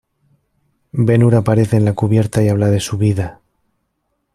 Ben-Hur aparece en la cubierta y habla de su vida.